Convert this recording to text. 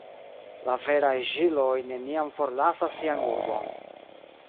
La veraj ĵiloj neniam forlasas sian urbon.